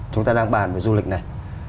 chúng ta đang bàn về du lịch này